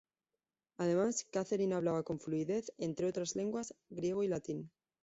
Además, Catherine hablaba con fluidez, entre otras lenguas, griego y latín.